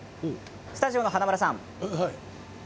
スタジオの華丸さん